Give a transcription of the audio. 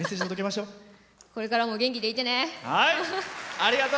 これからも元気でいてね。